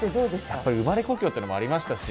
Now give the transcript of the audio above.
やっぱり生まれ故郷っていうのもありましたし。